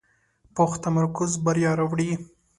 پوخ تمرکز بریا راوړي